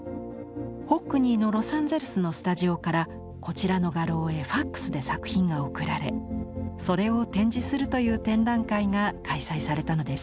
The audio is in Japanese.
ホックニーのロサンゼルスのスタジオからこちらの画廊へファックスで作品が送られそれを展示するという展覧会が開催されたのです。